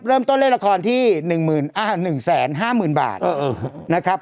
เริ่มต้นเล่นละครที่๑๕๐๐๐บาทนะครับ